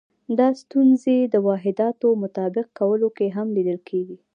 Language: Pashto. دا ستونزې د واحداتو مطابق کولو کې هم لیدل کېدې.